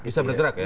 bisa bergerak ya